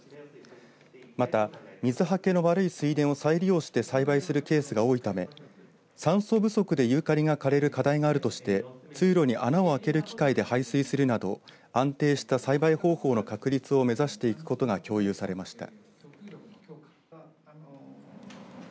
また、水はけの悪い水田を再利用して栽培するケースが多いため酸素不足でユーカリがかれる課題があるとして通路に穴を開ける機械で排水するなど安定した栽培方法の確立を目指していくことが共有されました。